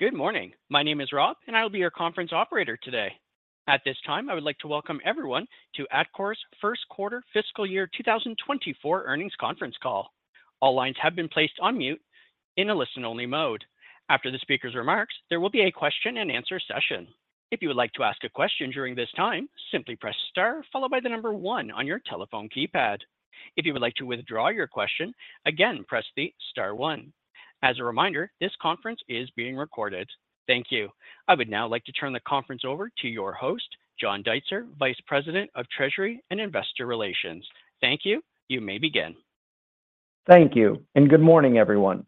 Good morning. My name is Rob, and I will be your conference operator today. At this time, I would like to welcome everyone to Atkore's First Quarter Fiscal Year 2024 Earnings Conference Call. All lines have been placed on mute in a listen-only mode. After the speaker's remarks, there will be a question-and-answer session. If you would like to ask a question during this time, simply press star followed by one on your telephone keypad. If you would like to withdraw your question, again, press the star one. As a reminder, this conference is being recorded. Thank you. I would now like to turn the conference over to your host, John Deitzer, Vice President of Treasury and Investor Relations. Thank you. You may begin. Thank you, and good morning, everyone.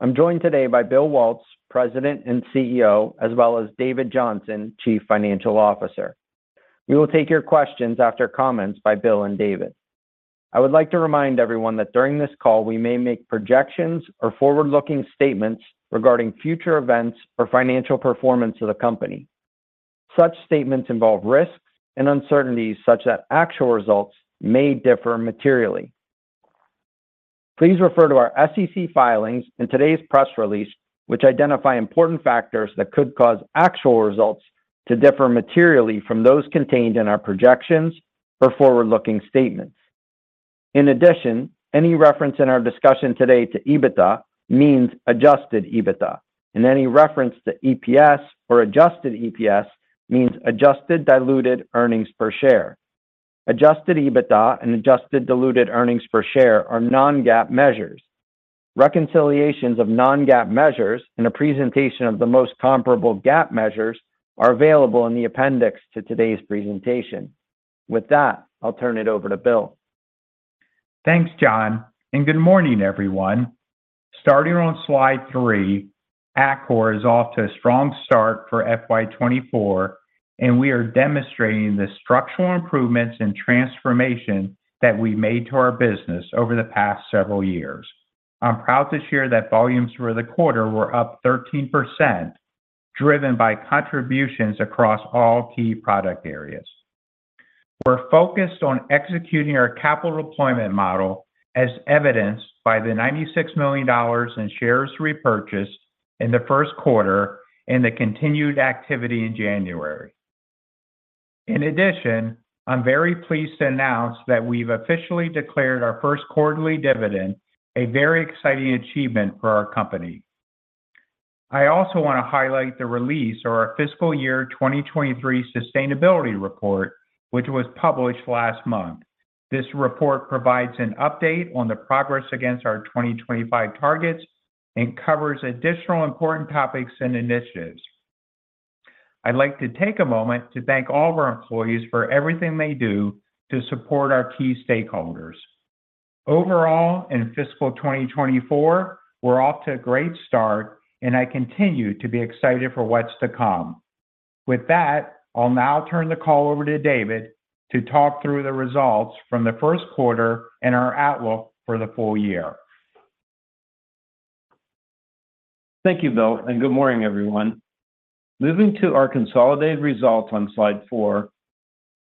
I'm joined today by Bill Waltz, President and CEO, as well as David Johnson, Chief Financial Officer. We will take your questions after comments by Bill and David. I would like to remind everyone that during this call, we may make projections or forward-looking statements regarding future events or financial performance of the company. Such statements involve risks and uncertainties such that actual results may differ materially. Please refer to our SEC filings and today's press release, which identify important factors that could cause actual results to differ materially from those contained in our projections or forward-looking statements. In addition, any reference in our discussion today to EBITDA means adjusted EBITDA, and any reference to EPS or adjusted EPS means adjusted diluted earnings per share. Adjusted EBITDA and adjusted diluted earnings per share are non-GAAP measures. Reconciliations of non-GAAP measures and a presentation of the most comparable GAAP measures are available in the appendix to today's presentation. With that, I'll turn it over to Bill. Thanks, John, and good morning, everyone. Starting on slide three, Atkore is off to a strong start for FY 2024, and we are demonstrating the structural improvements and transformation that we made to our business over the past several years. I'm proud to share that volumes for the quarter were up 13%, driven by contributions across all key product areas. We're focused on executing our capital deployment model, as evidenced by the $96 million in shares repurchased in the first quarter and the continued activity in January. In addition, I'm very pleased to announce that we've officially declared our first quarterly dividend, a very exciting achievement for our company. I also want to highlight the release of our fiscal year 2023 sustainability report, which was published last month. This report provides an update on the progress against our 2025 targets and covers additional important topics and initiatives. I'd like to take a moment to thank all of our employees for everything they do to support our key stakeholders. Overall, in fiscal 2024, we're off to a great start, and I continue to be excited for what's to come. With that, I'll now turn the call over to David to talk through the results from the first quarter and our outlook for the full year. Thank you, Bill, and good morning, everyone. Moving to our consolidated results on slide four,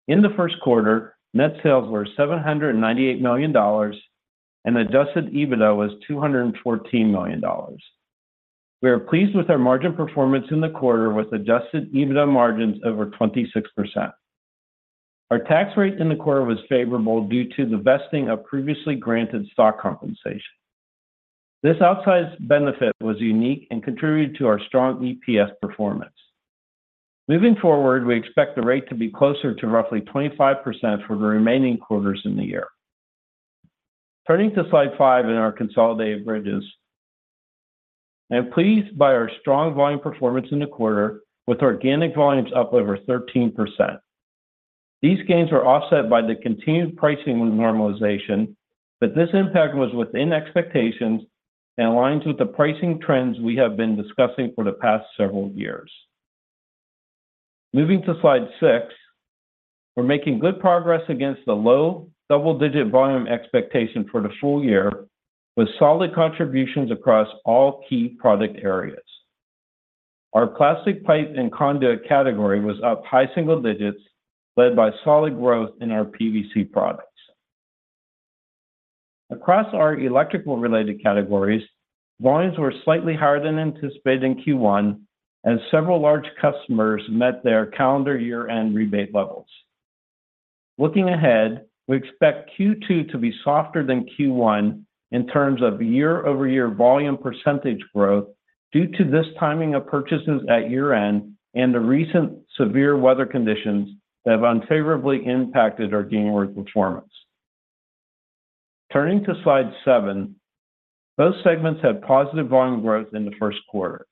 in the first quarter, net sales were $798 million, and adjusted EBITDA was $214 million. We are pleased with our margin performance in the quarter with adjusted EBITDA margins over 26%. Our tax rate in the quarter was favorable due to the vesting of previously granted stock compensation. This outsized benefit was unique and contributed to our strong EPS performance. Moving forward, we expect the rate to be closer to roughly 25% for the remaining quarters in the year. Turning to slide five in our consolidated bridges, I'm pleased by our strong volume performance in the quarter, with organic volumes up over 13%. These gains were offset by the continued pricing normalization, but this impact was within expectations and aligns with the pricing trends we have been discussing for the past several years. Moving to slide six, we're making good progress against the low double-digit volume expectation for the full year, with solid contributions across all key product areas. Our plastic pipe and conduit category was up high single digits, led by solid growth in our PVC products. Across our electrical-related categories, volumes were slightly higher than anticipated in Q1, as several large customers met their calendar year-end rebate levels. Looking ahead, we expect Q2 to be softer than Q1 in terms of year-over-year volume percentage growth due to this timing of purchases at year-end and the recent severe weather conditions that have unfavorably impacted our January performance. Turning to slide seven, both segments had positive volume growth in the first quarter.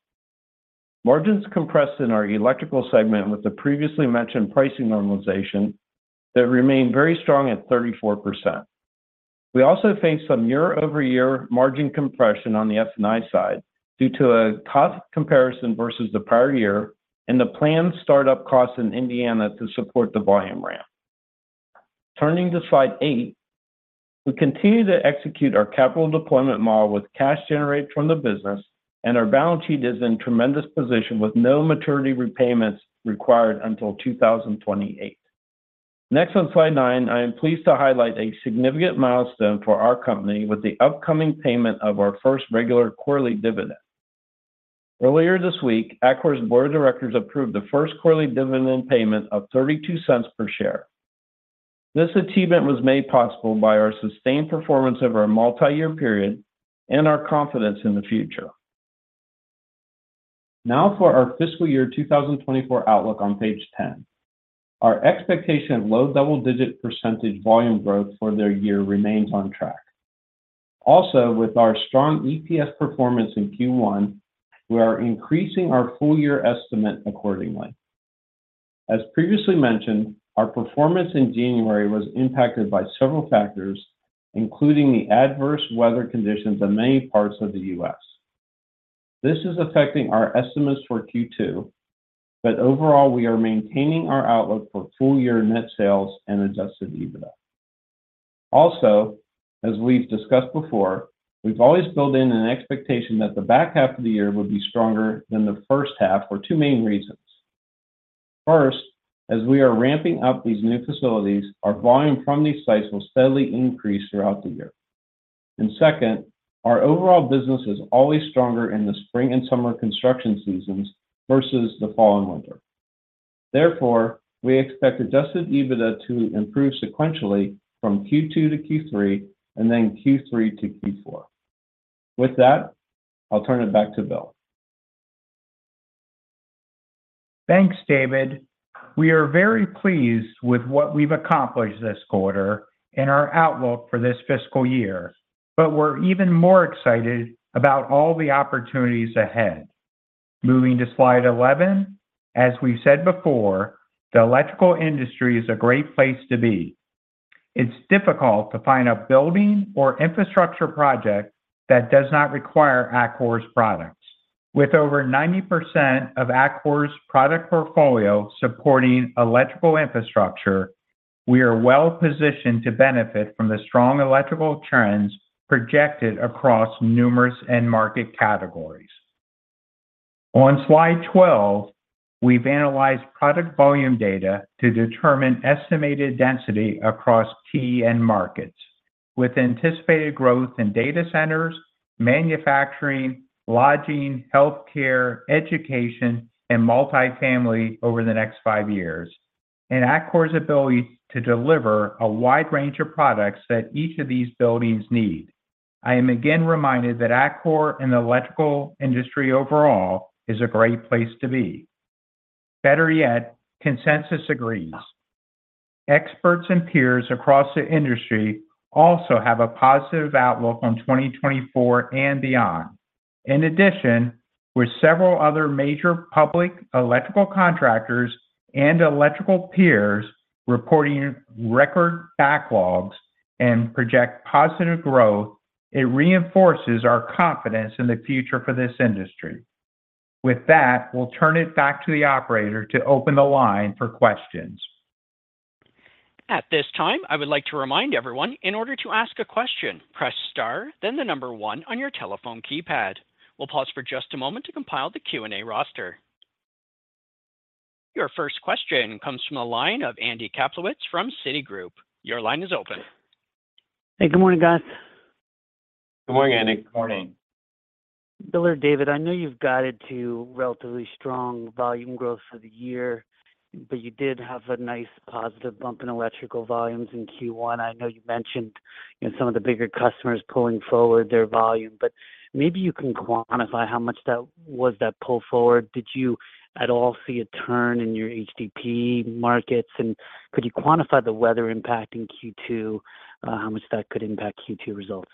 Margins compressed in our electrical segment with the previously mentioned pricing normalization that remained very strong at 34%. We also faced some year-over-year margin compression on the S&I side due to a tough comparison versus the prior year and the planned start-up costs in Indiana to support the volume ramp. Turning to slide eight, we continue to execute our capital deployment model with cash generated from the business, and our balance sheet is in tremendous position with no maturity repayments required until 2028. Next, on slide nine, I am pleased to highlight a significant milestone for our company with the upcoming payment of our first regular quarterly dividend. Earlier this week, Atkore's board of directors approved the first quarterly dividend payment of $0.32 per share. This achievement was made possible by our sustained performance over a multi-year period and our confidence in the future. Now, for our fiscal year 2024 outlook on page 10. Our expectation of low double-digit % volume growth for the year remains on track. Also, with our strong EPS performance in Q1, we are increasing our full-year estimate accordingly. As previously mentioned, our performance in January was impacted by several factors, including the adverse weather conditions in many parts of the U.S. This is affecting our estimates for Q2, but overall, we are maintaining our outlook for full-year net sales and adjusted EBITDA. Also, as we've discussed before, we've always built in an expectation that the back half of the year would be stronger than the first half for two main reasons. First, as we are ramping up these new facilities, our volume from these sites will steadily increase throughout the year. And second, our overall business is always stronger in the spring and summer construction seasons versus the fall and winter. Therefore, we expect adjusted EBITDA to improve sequentially from Q2-Q3, and then Q3-Q4. With that, I'll turn it back to Bill. Thanks, David. We are very pleased with what we've accomplished this quarter and our outlook for this fiscal year, but we're even more excited about all the opportunities ahead. Moving to slide 11. As we've said before, the electrical industry is a great place to be. It's difficult to find a building or infrastructure project that does not require Atkore's products. With over 90% of Atkore's product portfolio supporting electrical infrastructure, we are well-positioned to benefit from the strong electrical trends projected across numerous end-market categories. On slide 12, we've analyzed product volume data to determine estimated density across key end markets. With anticipated growth in data centers, manufacturing, lodging, healthcare, education, and multifamily over the next five years, and Atkore's ability to deliver a wide range of products that each of these buildings need, I am again reminded that Atkore and the electrical industry overall is a great place to be. Better yet, consensus agrees. Experts and peers across the industry also have a positive outlook on 2024 and beyond. In addition, with several other major public electrical contractors and electrical peers reporting record backlogs and project positive growth, it reinforces our confidence in the future for this industry. With that, we'll turn it back to the operator to open the line for questions. At this time, I would like to remind everyone, in order to ask a question, press star, then the number one on your telephone keypad. We'll pause for just a moment to compile the Q&A roster. Your first question comes from the line of Andy Kaplowitz from Citigroup. Your line is open. Hey, good morning, guys. Good morning, Andy. Good morning. Bill or David, I know you've guided to relatively strong volume growth for the year, but you did have a nice positive bump in electrical volumes in Q1. I know you mentioned, you know, some of the bigger customers pulling forward their volume, but maybe you can quantify how much that was that pull forward. Did you at all see a turn in your HDPE markets? And could you quantify the weather impact in Q2, how much that could impact Q2 results?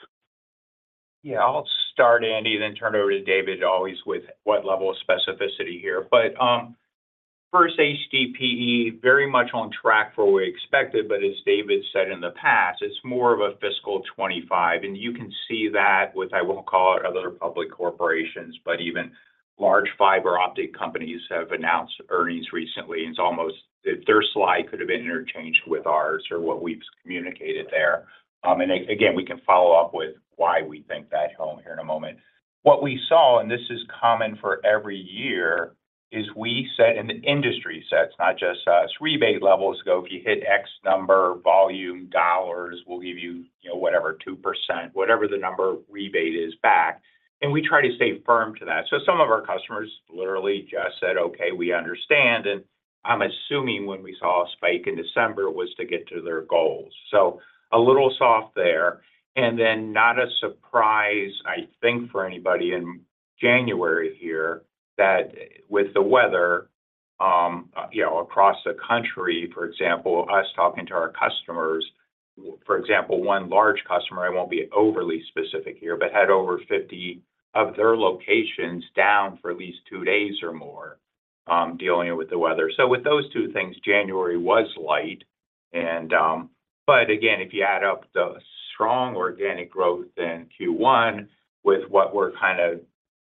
Yeah, I'll start, Andy, then turn it over to David, always with what level of specificity here. But first, HDPE, very much on track for what we expected, but as David said in the past, it's more of a fiscal 25. And you can see that with, I won't call it other public corporations, but even large fiber optic companies have announced earnings recently. It's almost, their slide could have been interchanged with ours or what we've communicated there. And again, we can follow up with why we think that home here in a moment. What we saw, and this is common for every year, is we set and the industry sets, not just us, rebate levels go, if you hit X number, volume, dollars, we'll give you, you know, whatever, 2%, whatever the number rebate is back, and we try to stay firm to that. So some of our customers literally just said, "Okay, we understand," and I'm assuming when we saw a spike in December, was to get to their goals. So a little soft there, and then not a surprise, I think, for anybody in January here, that with the weather, you know, across the country, for example, us talking to our customers, for example, one large customer, I won't be overly specific here, but had over 50 of their locations down for at least two days or more, dealing with the weather. So with those two things, January was light. And, but again, if you add up the strong organic growth in Q1 with what we're kind of,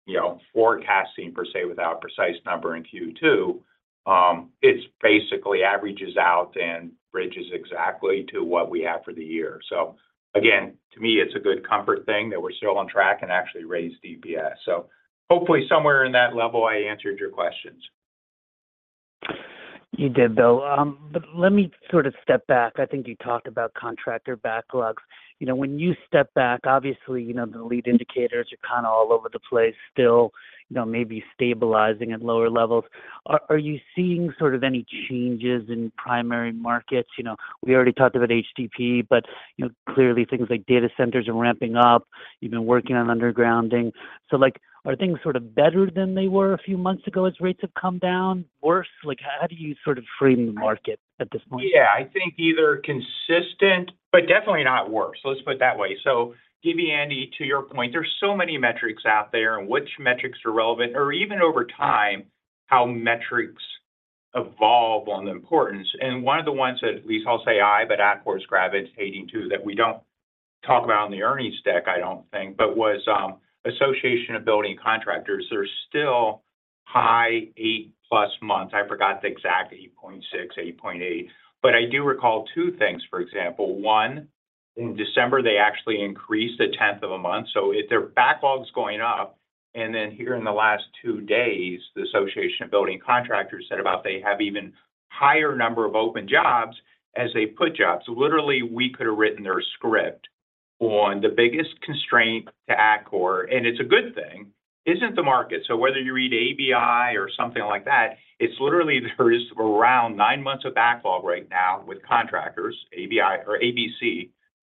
you know, forecasting per se, without precise number in Q2, it's basically averages out and bridges exactly to what we have for the year. So again, to me, it's a good comfort thing that we're still on track and actually raised EPS. Hopefully somewhere in that level, I answered your questions. You did, Bill. But let me sort of step back. I think you talked about contractor backlogs. You know, when you step back, obviously, you know, the lead indicators are kind of all over the place still, you know, maybe stabilizing at lower levels. Are you seeing sort of any changes in primary markets? We already talked about HDPE, but, you know, clearly things like data centers are ramping up. You've been working on undergrounding. So, like, are things sort of better than they were a few months ago as rates have come down? Worse? Like, how do you sort of frame the market at this point? I think either consistent, but definitely not worse. Let's put it that way. So, giving Andy, to your point, there are so many metrics out there, and which metrics are relevant, or even over time, how metrics evolve in importance. And one of the ones that, at least I'll say I, but Atkore is gravitating to, that we don't talk about on the earnings deck, but was Associated Builders and Contractors. They're still high 8+ months. I forgot the exact, 8.6, 8.8. But I do recall two things, for example. One, in December, they actually increased by 1/10 of a month, so if their backlog is going up, and then here in the last two days, the Associated Builders and Contractors said that they have an even higher number of open jobs than they put jobs. Literally, we could have written their script on the biggest constraint to Atkore, and it's a good thing, isn't the market? So whether you read ABI or something like that, it's literally there is around nine months of backlog right now with contractors. ABI or ABC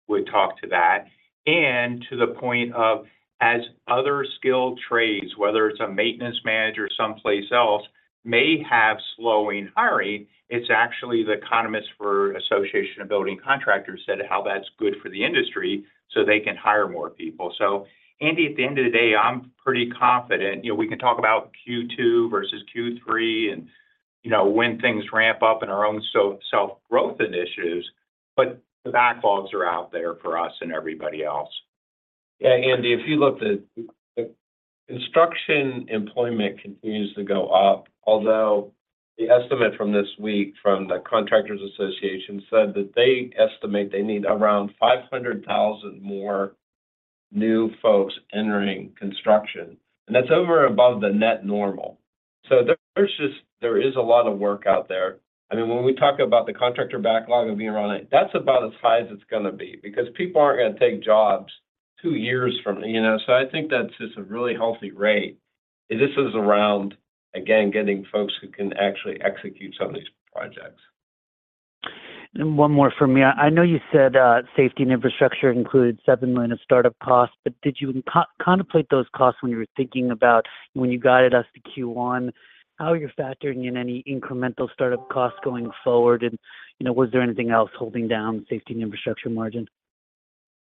would talk to that. And to the point of as other skilled trades, whether it's a maintenance manager somewhere else, may be slowing hiring, it's actually the economists for Associated Builders and Contractors said how that's good for the industry so they can hire more people. So Andy, at the end of the day, I'm pretty confident. You know, we can talk about Q2 versus Q3 and, you know, when things ramp up in our own so-self-growth initiatives, but the backlogs are out there for us and everybody else. Yeah, Andy, if you look at construction, employment continues to go up, although the estimate from this week from the Associated Builders and Contractors said that they estimate they need around 500,000 more new folks entering construction, and that's over above the net normal. So there's just a lot of work out there. I mean, when we talk about the contractor backlog of being around, that's about as high as it's gonna be, because people aren't gonna take jobs two years from now? So I think that's just a really healthy rate. This is around, again, getting folks who can actually execute some of these projects. One more for me. I know you said safety and infrastructure included $7 million in startup costs, but did you contemplate those costs when you were thinking about when you guided us to Q1, how you're factoring in any incremental startup costs going forward? And, you know, was there anything else holding down safety and infrastructure margin?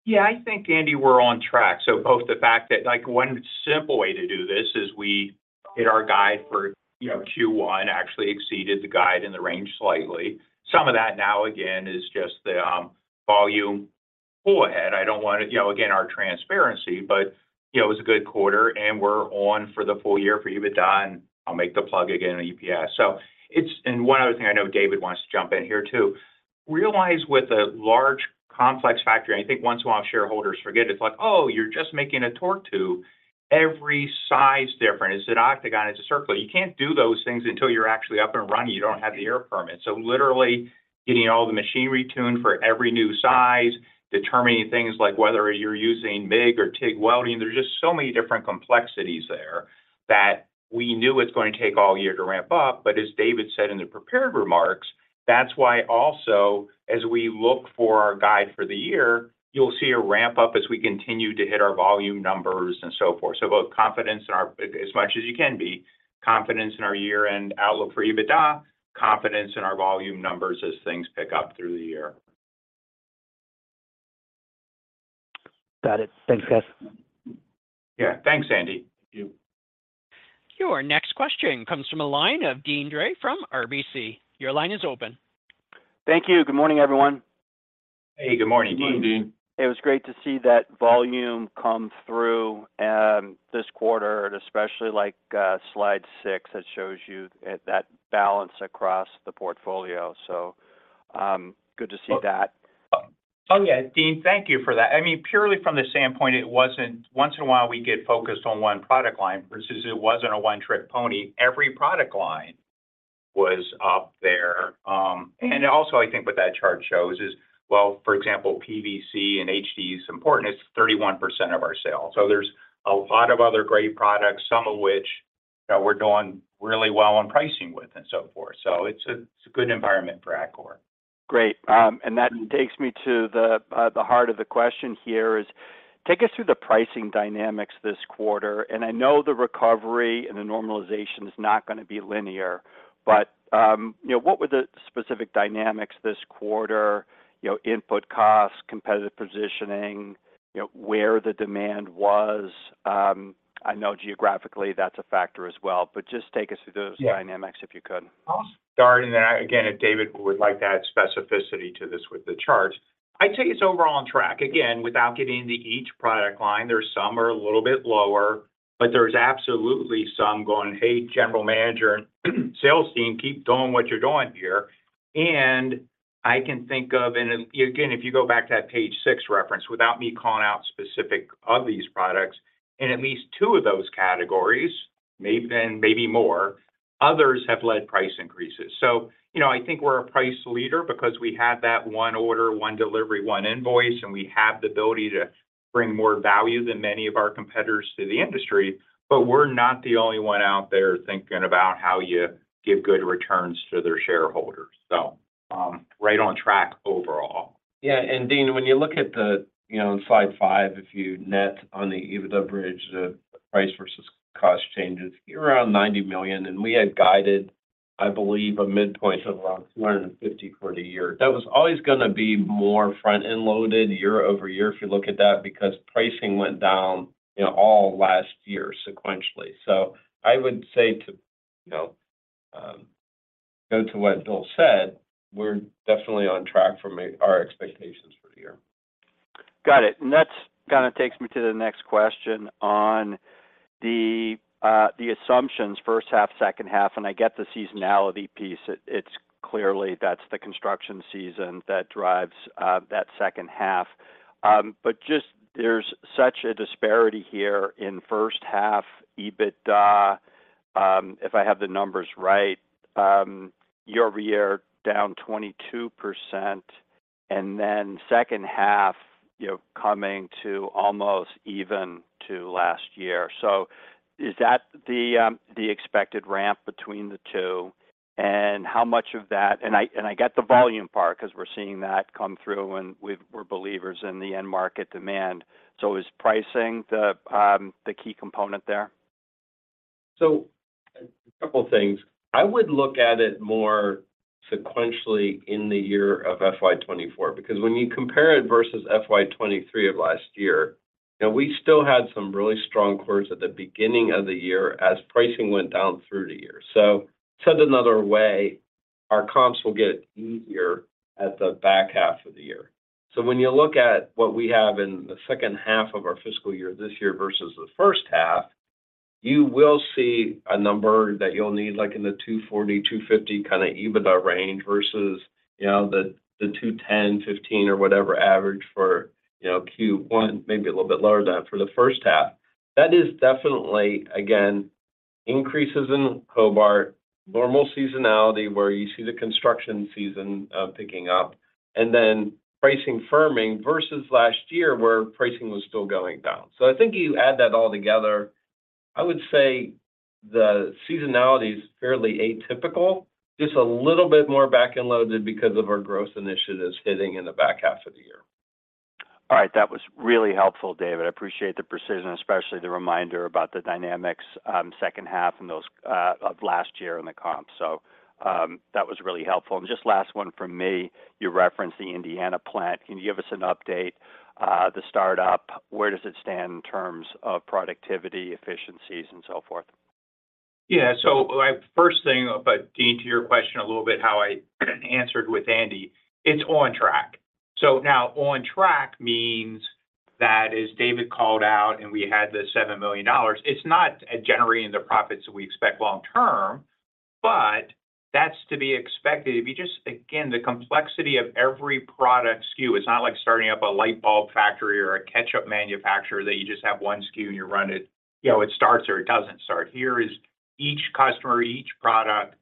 Yeah, I think, Andy, we're on track. So both the fact that, like, one simple way to do this is we hit our guide for, you know, Q1, actually exceeded the guide in the range slightly. Some of that now, again, is just the volume ahead. I don't want to, you know, again, our transparency, but, you know, it was a good quarter, and we're on for the full year for EBITDA, and I'll make the plug again in EPS. So it's and one other thing, I know David wants to jump in here, too. Realize with a large, complex factory, I think once in a while shareholders forget, it's like, "Oh, you're just making a torque tube." Every size different. It's an octagon, it's a circle. You can't do those things until you're actually up and running. You don't have the air permit. So literally getting all the machinery tuned for every new size, determining things like whether you're using MIG or TIG welding, there's just so many different complexities there that we knew it's gonna take all year to ramp up. But as David said in the prepared remarks, that's why also as we look for our guide for the year, you'll see a ramp up as we continue to hit our volume numbers and so forth. So both confidence in our- as much as you can be, confidence in our year-end outlook for EBITDA, confidence in our volume numbers as things pick up through the year. Got it. Thanks, guys. Yeah. Thanks, Andy. Thank you. Your next question comes from a line of Deane Dray from RBC. Your line is open. Thank you. Good morning, everyone. Hey, good morning, Deane. Good morning, Deane. It was great to see that volume come through, this quarter, and especially, like, slide 6, that shows you at that balance across the portfolio. So, good to see that. Oh, yeah, Deane, thank you for that. I mean, purely from the standpoint, it wasn't once in a while, we get focused on one product line versus it wasn't a one-trick pony. Every product line was up there. And also, I think what that chart shows is, well, for example, PVC and HDPE is important. It's 31% of our sales. So there's a lot of other great products, some of which, that we're doing really well on pricing with and so forth. So it's a, it's a good environment for Atkore. Great. And that takes me to the heart of the question here is, take us through the pricing dynamics this quarter. And I know the recovery and the normalization is not gonna be linear, but, you know, what were the specific dynamics this quarter? You know, input costs, competitive positioning, you know, where the demand was. I know geographically, that's a factor as well, but just take us through those dynamics, if you could. I'll start, and then, again, if David would like to add specificity to this with the charts. I'd say it's overall on track. Again, without getting into each product line, there are some a little bit lower, but there's absolutely so I'm going, "Hey, general manager and sales team, keep doing what you're doing here." And I can think of, and, again, if you go back to that page six reference, without me calling out specific of these products, and at least two of those categories, maybe then, maybe more, others have led price increases. So, you know, I think we're a price leader because we have that one order, one delivery, one invoice, and we have the ability to bring more value than many of our competitors to the industry, but we're not the only one out there thinking about how you give good returns to their shareholders. So, right on track overall. Yeah, and Deane, when you look at the, you know, slide five, if you net on the EBITDA bridge, the price versus cost changes, you're around $90 million, and we had guided, I believe, a midpoint of around $250 million for the year. That was always gonna be more front-end loaded year-over-year if you look at that, because pricing went down, you know, all last year sequentially. So I would say to, you know, go to what Bill said, we're definitely on track from our expectations for the year. Got it. And that kind of takes me to the next question on the assumptions, first half, second half, and I get the seasonality piece. It's clearly that's the construction season that drives that second half. But just there's such a disparity here in first half EBITDA, if I have the numbers right, year-over-year, down 22%, and then second half, you know, coming to almost even to last year. So is that the expected ramp between the two? And how much of that – and I get the volume part because we're seeing that come through, and we're believers in the end market demand. So is pricing the key component there? So a couple of things. I would look at it more sequentially in the year of FY 2024, because when you compare it versus FY 2023 of last year, and we still had some really strong quarters at the beginning of the year as pricing went down through the year. So said another way, our comps will get easier at the back half of the year. So when you look at what we have in the second half of our fiscal year, this year versus the first half, you will see a number that you'll need, like in the $240-$250 kind of EBITDA range versus, you know, the, the $210-$215 or whatever average for, you know, Q1, maybe a little bit lower than that for the first half. That is definitely, again, increases in Hobart, normal seasonality, where you see the construction season, picking up, and then pricing firming versus last year, where pricing was still going down. So I think you add that all together, I would say the seasonality is fairly atypical, just a little bit more back-end loaded because of our growth initiatives hitting in the back half of the year. All right. That was really helpful, David. I appreciate the precision, especially the reminder about the dynamics, second half and those, of last year in the comp. So, that was really helpful. And just last one from me: You referenced the Indiana plant. Can you give us an update, the start up, where does it stand in terms of productivity, efficiencies, and so forth? Yeah. So my first thing, but Deane, to your question a little bit, how I answered with Andy, it's on track. So now on track means that as David called out and we had the $7 million, it's not generating the profits that we expect long term, but that's to be expected. If you just, again, the complexity of every product SKU, it's not like starting up a light bulb factory or a ketchup manufacturer, that you just have one SKU and you run it. You know, it starts or it doesn't start. Here is each customer, each product,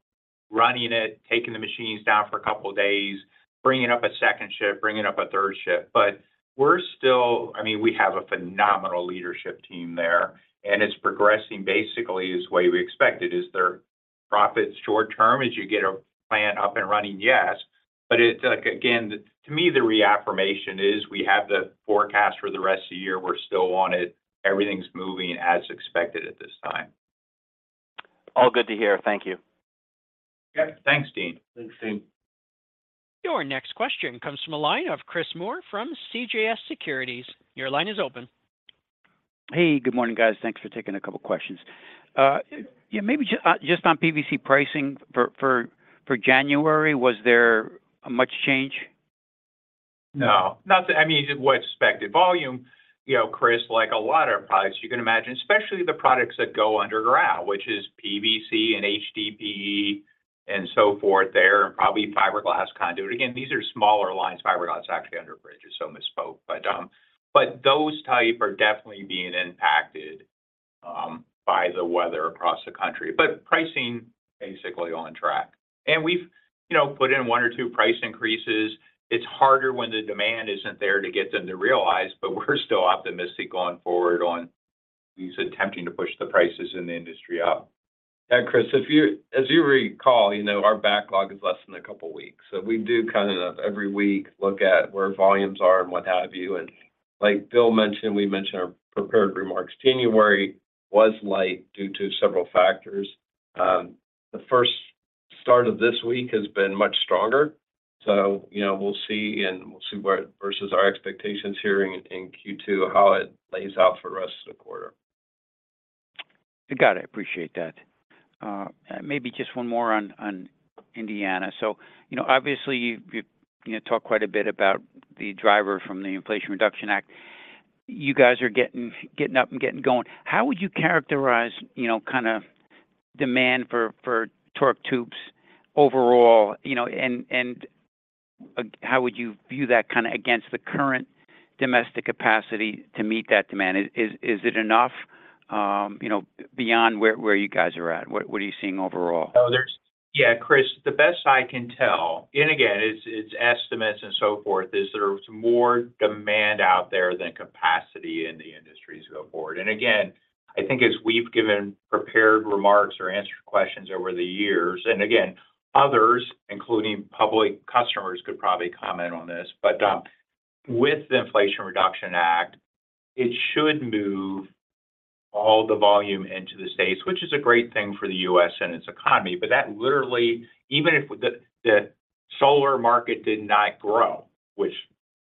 running it, taking the machines down for a couple of days, bringing up a second shift, bringing up a third shift. But we're still. I mean, we have a phenomenal leadership team there, and it's progressing basically as what we expected. Is there profits short term as you get a plant up and running? Yes. But it's like to me, the reaffirmation is we have the forecast for the rest of the year. We're still on it. Everything's moving as expected at this time. All good to hear. Thank you. Yep. Thanks, Deane. Thanks, Dean. Your next question comes from a line of Chris Moore from CJS Securities. Your line is open. Hey, good morning, guys. Thanks for taking a couple of questions. Yeah, maybe just, just on PVC pricing for January, was there much change? No, not that. I mean, what expected volume, you know, Chris, like a lot of products you can imagine, especially the products that go underground, which is PVC and HDPE and so forth there, and probably fiberglass conduit. Again, these are smaller lines. Fiberglass is actually under bridge, so misspoke, but those type are definitely being impacted by the weather across the country. But pricing, basically on track. And we've, you know, put in one or two price increases. It's harder when the demand isn't there to get them to realize, but we're still optimistic going forward at least attempting to push the prices in the industry up. And Chris, if you, as you recall, you know, our backlog is less than a couple of weeks. So we do kind of every week look at where volumes are and what have you. And like Bill mentioned, we mentioned our prepared remarks. January was light due to several factors. The first start of this week has been much stronger. So, you know, we'll see and we'll see where it versus our expectations here in, in Q2, how it lays out for the rest of the quarter. Got it. I appreciate that. Maybe just one more on Indiana. Obviously, you've talked quite a bit about the driver from the Inflation Reduction Act. You guys are getting up and getting going. How would you characterize demand for torque tubes overall, you know, and how would you view that against the current domestic capacity to meet that demand? Is it enough, you know, beyond where you guys are at? What are you seeing overall? Oh, there's. Yeah, Chris, the best I can tell, and again, it's estimates and so forth, is there's more demand out there than capacity in the industry as we go forward. And again, I think as we've given prepared remarks or answered questions over the years, and again, others, including public customers, could probably comment on this, but with the Inflation Reduction Act, it should move all the volume into the States, which is a great thing for the U.S. and its economy. But that literally, even if the solar market did not grow, which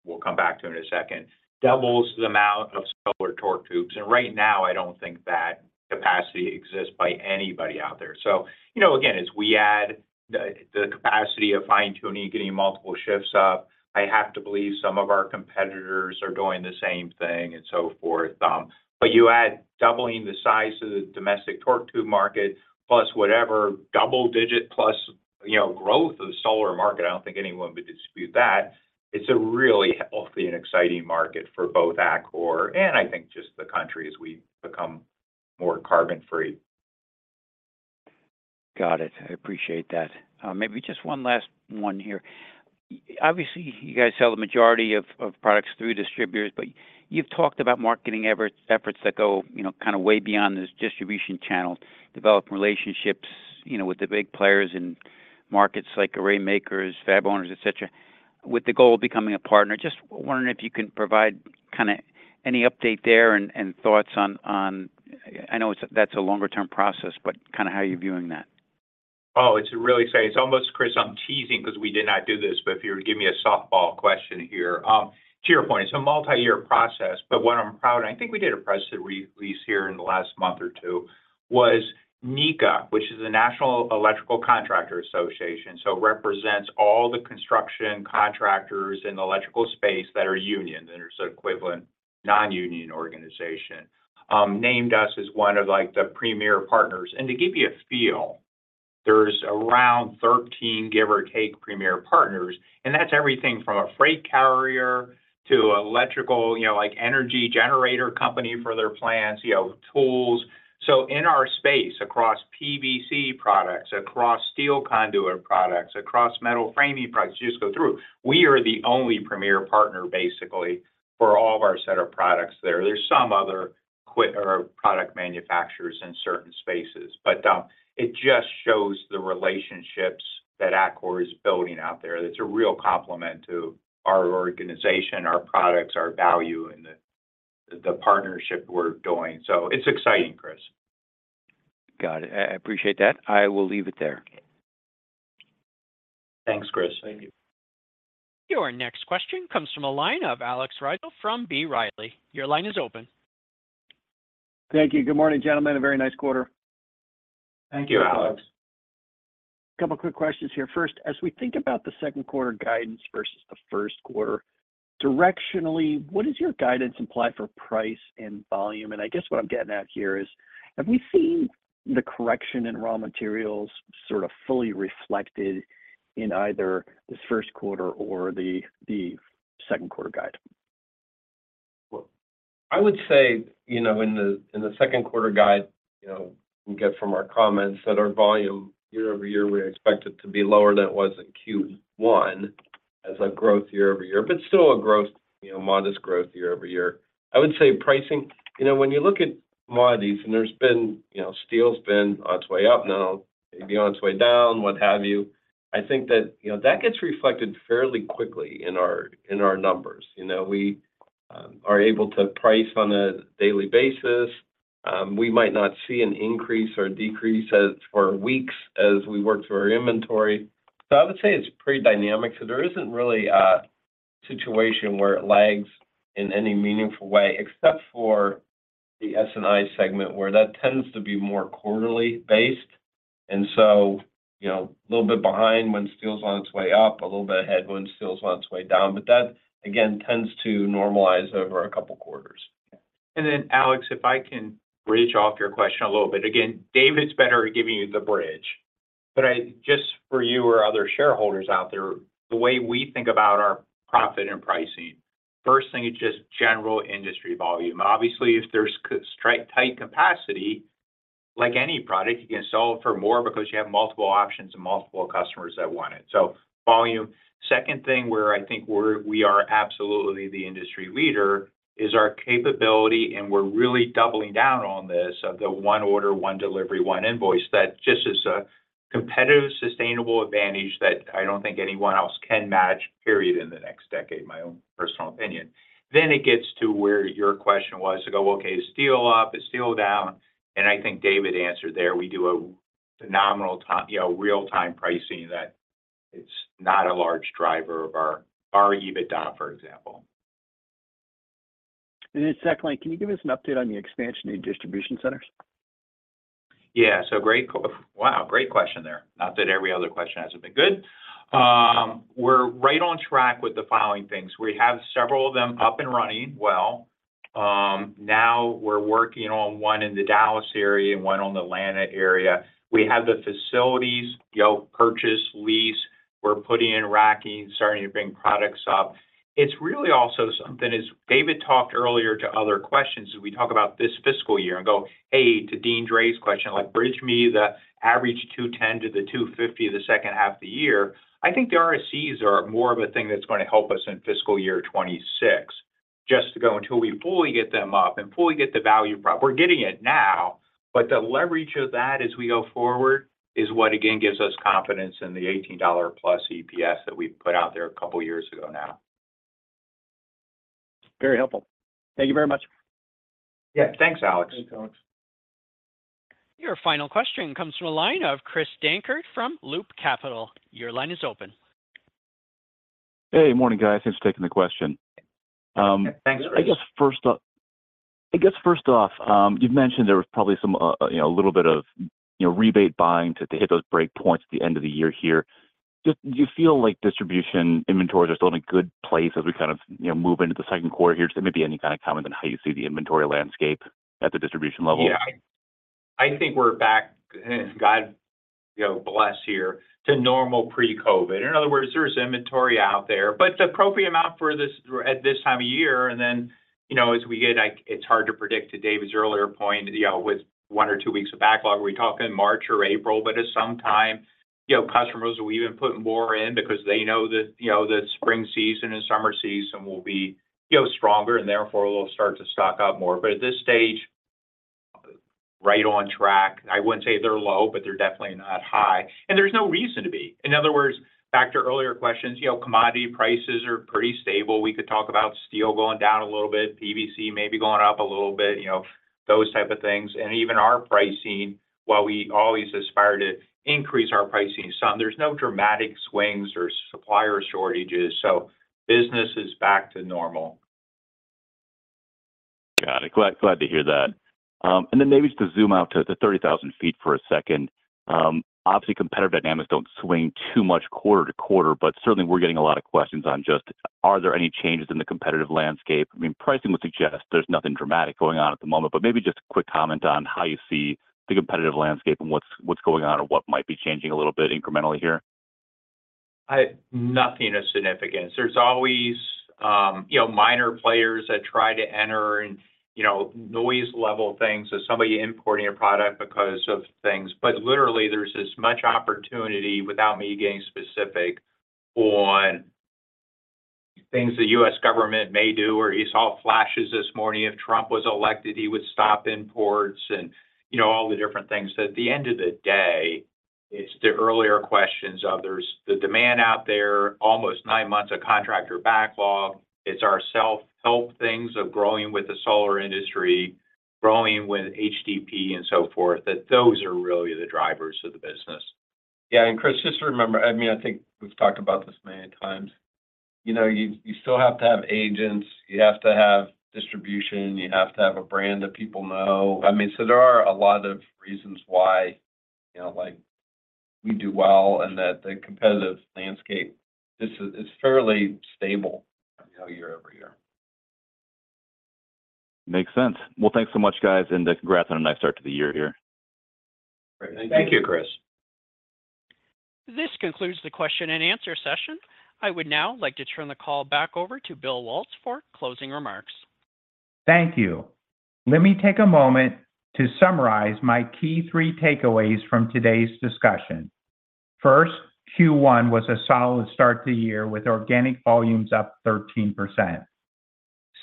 we'll come back to in a second, doubles the amount of solar torque tubes. And right now, I don't think that capacity exists by anybody out there. So, you know, again, as we add the capacity of fine-tuning, getting multiple shifts up, I have to believe some of our competitors are doing the same thing, and so forth. But you add doubling the size of the domestic torque tube market, plus whatever double-digit plus, you know, growth of the solar market, I don't think anyone would dispute that. It's a really healthy and exciting market for both Atkore and I think just the country as we become more carbon-free. Got it. I appreciate that. Maybe just one last one here. Obviously, you guys sell the majority of products through distributors, but you've talked about marketing efforts that go, you know, kind of way beyond this distribution channel, developing relationships, you know, with the big players in markets like array makers, fab owners, et cetera, with the goal of becoming a partner. Just wondering if you can provide kind of any update there and thoughts on- I know that's a longer-term process, but kind of how you're viewing that. Oh, it's really exciting. It's almost, Chris, I'm teasing because we did not do this, but if you were to give me a softball question here. To your point, it's a multi-year process, but what I'm proud of, and I think we did a press release here in the last month or two, was NECA, which is the National Electrical Contractors Association, so represents all the construction contractors in the electrical space that are union, and there's an equivalent non-union organization, named us as one of, like, the premier partners. And to give you a feel, there's around 13, give or take, premier partners, and that's everything from a freight carrier to electrical, you know, like, energy generator company for their plants, you know, tools. So in our space, across PVC products, across steel conduit products, across metal framing products, you just go through, we are the only premier partner, basically, for all of our set of products there. There's some other conduit product manufacturers in certain spaces. But it just shows the relationships that Atkore is building out there. That's a real compliment to our organization, our products, our value, and the partnership we're doing. So it's exciting, Chris. Got it. I appreciate that. I will leave it there. Thanks, Chris. Thank you. Your next question comes from a line of Alex Rygiel from B. Riley. Your line is open. Thank you. Good morning, gentlemen. A very nice quarter. Thank you, Alex. Thank you. A couple quick questions here. First, as we think about the second quarter guidance versus the first quarter, directionally, what does your guidance imply for price and volume? And I guess what I'm getting at here is, have we seen the correction in raw materials sort of fully reflected in either this first quarter or the second quarter guide? Well, I would say, you know, in the second quarter guide, you know, you get from our comments that our volume year-over-year, we expect it to be lower than it was in Q1 as a growth year-over-year, but still a growth, you know, modest growth year-over-year. I would say pricing, you know, when you look at commodities, and there's been. You know, steel's been on its way up, now maybe on its way down, what have you? I think that, you know, that gets reflected fairly quickly in our numbers. You know, we are able to price on a daily basis. We might not see an increase or decrease as for weeks as we work through our inventory. So I would say it's pretty dynamic. So there isn't really a situation where it lags in any meaningful way, except for the S&I segment, where that tends to be more quarterly based. And so, you know, a little bit behind when steel's on its way up, a little bit ahead when steel's on its way down, but that, again, tends to normalize over a couple quarters. And then, Alex, if I can bridge off your question a little bit. Again, David's better at giving you the bridge, but I just for you or other shareholders out there, the way we think about our profit and pricing, first thing is just general industry volume. Obviously, if there's straight tight capacity, like any product, you can sell it for more because you have multiple options and multiple customers that want it. So volume. Second thing, where I think we're we are absolutely the industry leader, is our capability, and we're really doubling down on this, of the one order, one delivery, one invoice. That just is a competitive, sustainable advantage that I don't think anyone else can match, period, in the next decade, my own personal opinion. Then it gets to where your question was to go, okay, is steel up? Is steel down? I think David answered there. We do a phenomenal time, you know, real-time pricing, that it's not a large driver of our EBITDA, for example. And then secondly, can you give us an update on the expansion in distribution centers? Yeah, so great. Wow, great question there! Not that every other question hasn't been good. We're right on track with the following things: We have several of them up and running well. Now we're working on one in the Dallas area and one in the Atlanta area. We have the facilities, you know, purchase, lease. We're putting in racking, starting to bring products up. It's really also something, as David talked earlier to other questions, as we talk about this fiscal year and go, hey, to Deane Dray's question, like, bridge me the average $210 to the $250 of the second half of the year. I think the RSCs are more of a thing that's gonna help us in fiscal year 2026, just to go until we fully get them up and fully get the value prop. We're getting it now, but the leverage of that as we go forward is what, again, gives us confidence in the $18+ EPS that we put out there a couple of years ago now. Very helpful. Thank you very much. Yeah. Thanks, Alex. Thanks, Alex. Your final question comes from the line of Chris Dankert from Loop Capital. Your line is open. Hey, morning, guys. Thanks for taking the question. Thanks, Chris. I guess first off, you've mentioned there was probably some, you know, a little bit of, you know, rebate buying to hit those break points at the end of the year here. Do you feel like distribution inventories are still in a good place as we kind of, you know, move into the second quarter here? So maybe any kind of comment on how you see the inventory landscape at the distribution level? Yeah. I think we're back, God, you know, bless here, to normal pre-COVID. In other words, there is inventory out there, but the appropriate amount for this- at this time of year, and then, you know, as we get like, it's hard to predict to David's earlier point, you know, with one or two weeks of backlog, are we talking March or April? But at some time, you know, customers will be even putting more in because they know that, you know, the spring season and summer season will be, you know, stronger and therefore will start to stock up more. But at this stage, right on track, I wouldn't say they're low, but they're definitely not high, and there's no reason to be. In other words, back to earlier questions, you know, commodity prices are pretty stable. We could talk about steel going down a little bit, PVC maybe going up a little bit, you know, those type of things, and even our pricing, while we always aspire to increase our pricing some, there's no dramatic swings or supplier shortages, so business is back to normal. Got it. Glad, glad to hear that. And then maybe just to zoom out to the 30,000 feet for a second. Obviously, competitive dynamics don't swing too much quarter to quarter, but certainly we're getting a lot of questions on just, are there any changes in the competitive landscape? I mean, pricing would suggest there's nothing dramatic going on at the moment, but maybe just a quick comment on how you see the competitive landscape and what's, what's going on or what might be changing a little bit incrementally here. Nothing of significance. There's always minor players that try to enter and, you know, noise-level things, so somebody importing a product because of things. But literally, there's as much opportunity without me getting specific on things the U.S. government may do, or you saw flashes this morning, if Trump was elected, he would stop imports and, you know, all the different things. At the end of the day, it's the earlier questions of there's the demand out there, almost nine months of contractor backlog. It's our self-help things of growing with the solar industry, growing with HDPE and so forth, that those are really the drivers of the business. Chris, just remember, I think we've talked about this many times. You still have to have agents, you have to have distribution, you have to have a brand that people know. There are a lot of reasons why we do well and that the competitive landscape is fairly stable, you know, year-over-year. Makes sense. Well, thanks so much, guys, and congrats on a nice start to the year here. Great. Thank you, Chris. This concludes the question and answer session. I would now like to turn the call back over to Bill Waltz for closing remarks. Thank you. Let me take a moment to summarize my key three takeaways from today's discussion. First, Q1 was a solid start to the year with organic volumes up 13%.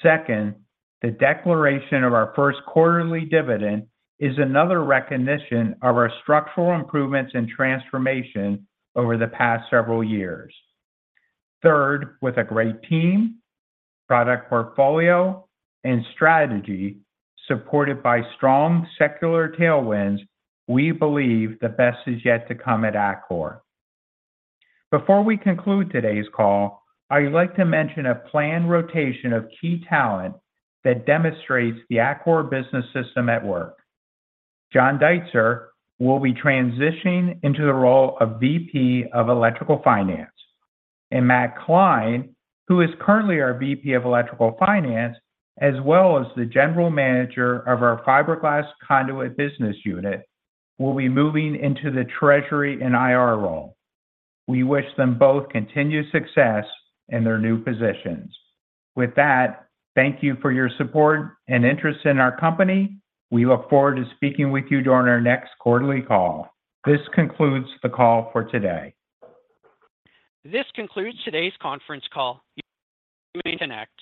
Second, the declaration of our first quarterly dividend is another recognition of our structural improvements and transformation over the past several years. Third, with a great team, product portfolio, and strategy supported by strong secular tailwinds, we believe the best is yet to come at Atkore. Before we conclude today's call, I'd like to mention a planned rotation of key talent that demonstrates the Atkore Business System at work. John Deitzer will be transitioning into the role of VP of Electrical Finance, and Matt Kline, who is currently our VP of Electrical Finance, as well as the General Manager of our Fiberglass Conduit business unit, will be moving into the treasury and IR role. We wish them both continued success in their new positions. With that, thank you for your support and interest in our company. We look forward to speaking with you during our next quarterly call. This concludes the call for today. This concludes today's conference call. You may disconnect.